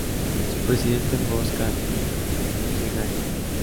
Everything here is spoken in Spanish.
Su presidente fue Oscar Bidegain.